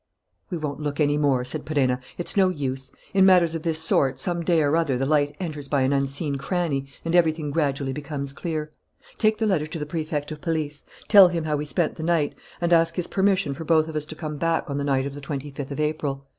"We won't look any more," said Perenna, "it's no use. In matters of this sort, some day or other the light enters by an unseen cranny and everything gradually becomes clear. Take the letter to the Prefect of Police, tell him how we spent the night, and ask his permission for both of us to come back on the night of the twenty fifth of April.